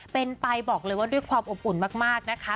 เป็นไปบอกเลยว่าด้วยความอบอุ่นมากนะคะ